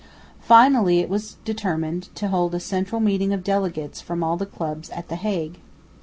Finally it was determined to hold a central meeting of delegates from all the clubs at the Hague.